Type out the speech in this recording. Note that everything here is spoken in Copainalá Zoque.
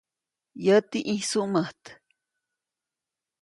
Yäti ʼĩjsuʼmät.